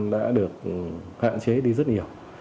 đã được hạn chế đi rất nhiều